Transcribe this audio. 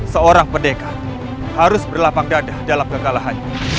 seorang pendekah harus berlapang dadah dalam kekalahannya